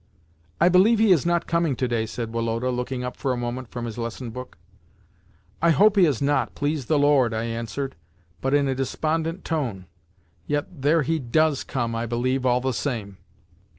"I believe he is not coming to day," said Woloda, looking up for a moment from his lesson book. "I hope he is not, please the Lord!" I answered, but in a despondent tone. "Yet there he does come, I believe, all the same!"